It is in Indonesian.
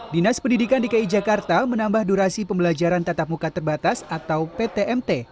dinas pendidikan dki jakarta menambah durasi pembelajaran tatap muka terbatas atau ptmt